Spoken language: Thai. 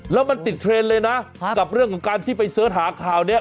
แล้วมันติดเทรนด์เลยนะกับเรื่องของการที่ไปเสิร์ชหาข่าวนี้